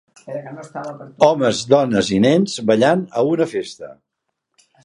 Homes, dones i nens ballant a una festa.